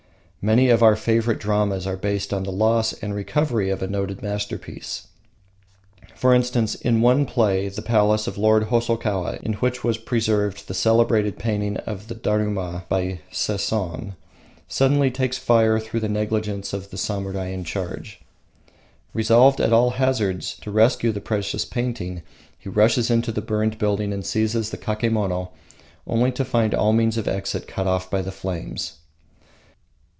Many of our favourite dramas are based on the loss and recovery of a noted masterpiece. For instance, in one play the palace of Lord Hosokawa, in which was preserved the celebrated painting of Dharuma by Sesson, suddenly takes fire through the negligence of the samurai in charge. Resolved at all hazards to rescue the precious painting, he rushes into the burning building and seizes the kakemono, only to find all means of exit cut off by the flames.